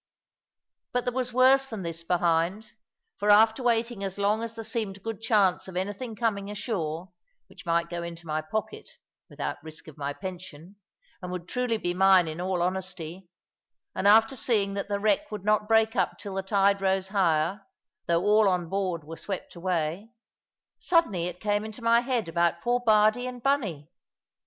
But there was worse than this behind; for after waiting as long as there seemed good chance of anything coming ashore, which might go into my pocket, without risk of my pension, and would truly be mine in all honesty and after seeing that the wreck would not break up till the tide rose higher, though all on board were swept away suddenly it came into my head about poor Bardie and Bunny.